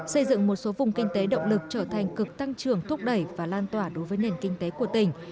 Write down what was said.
xây dựng một số vùng kinh tế động lực trở thành cực tăng trưởng thúc đẩy và lan tỏa đối với nền kinh tế của tỉnh